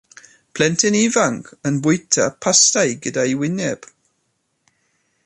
Plentyn ifanc yn bwyta pastai gyda'i wyneb.